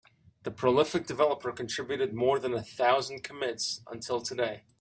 The prolific developer contributed more than a thousand commits until today.